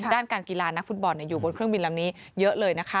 ด้านการกีฬานักฟุตบอลอยู่บนเครื่องบินลำนี้เยอะเลยนะคะ